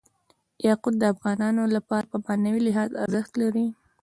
یاقوت د افغانانو لپاره په معنوي لحاظ ارزښت لري.